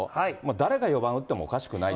誰が４番打ってもおかしくないっ